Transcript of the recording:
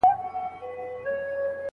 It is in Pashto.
د طلاق ورکوونکي لپاره درېيم شرط څه دی؟